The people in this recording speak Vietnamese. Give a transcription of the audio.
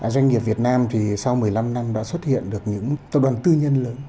doanh nghiệp việt nam thì sau một mươi năm năm đã xuất hiện được những tập đoàn